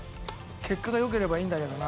結果が良ければいいんだけどな。